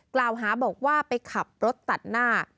กล่าวหาบอกว่าไปขับรถตัดหน้า